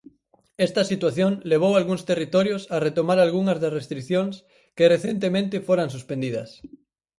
Esta situación levou algúns territorios a retomar algunhas das restricións que recentemente foras suspendidas.